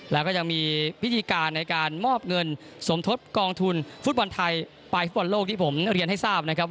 แล้วก็ยังมีพิธีการในการมอบเงินสมทบกองทุนฟุตบอลไทยไปฟุตบอลโลกที่ผมเรียนให้ทราบนะครับ